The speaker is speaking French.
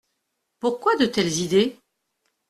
Pourquoi de telles idées ?